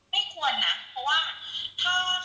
ไม่ควรนะเพราะว่า